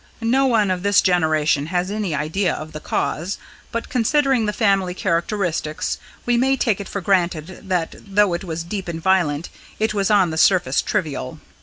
No one of this generation has any idea of the cause; but, considering the family characteristics, we may take it for granted that though it was deep and violent, it was on the surface trivial.